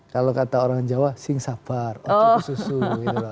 kalau kata orang jawa sing sapar ocut susu